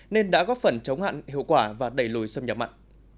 nên đã góp phần chống hạn hiệu quả và đẩy lùi xâm nhập mặn